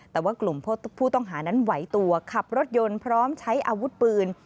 แต่ว่ากลุ่มผู้ต้องหานั้นไหวตัวขับรถยนต์พร้อมใช้อาวุธปืน